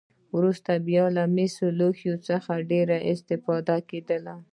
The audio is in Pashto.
وروسته بیا له مسي لوښو څخه ډېره استفاده کېدله.